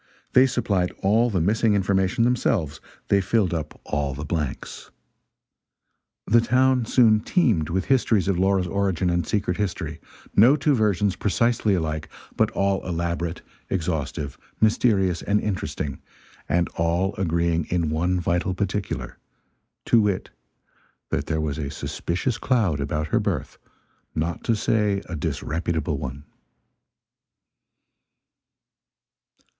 They supplied all the missing information themselves, they filled up all the blanks. The town soon teemed with histories of Laura's origin and secret history, no two versions precisely alike, but all elaborate, exhaustive, mysterious and interesting, and all agreeing in one vital particular to wit, that there was a suspicious cloud about her birth, not to say a disreputable one.